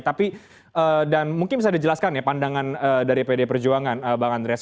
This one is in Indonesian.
tapi dan mungkin bisa dijelaskan ya pandangan dari pd perjuangan bang andreas